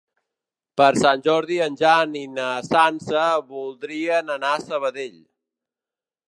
Per Sant Jordi en Jan i na Sança voldrien anar a Sabadell.